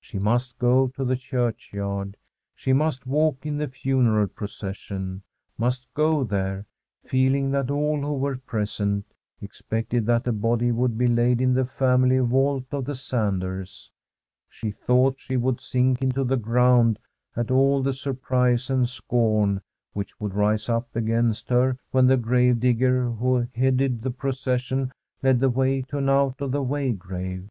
She must go to the churchyard, she must walk in the funeral pro cession — must go there, feeling that all who were present expected that the body would be laid in the family vault of the Sanders. She thought she would sink into the ground at all the surprise and scorn which would rise up against her when the grave digger, who headed the procession, led the way to an out of the way grave.